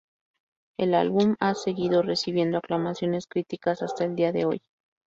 El álbum ha seguido recibiendo aclamaciones críticas hasta el día de hoy.